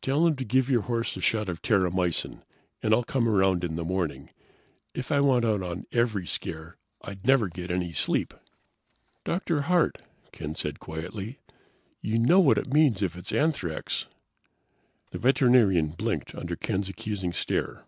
Tell him to give your horse a shot of terramycin, and I'll come around in the morning. If I went out on every scare, I'd never get any sleep." "Dr. Hart," Ken said quietly. "You know what it means if it is anthrax." The veterinarian blinked under Ken's accusing stare.